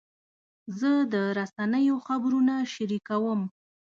زه د رسنیو خبرونه شریکوم.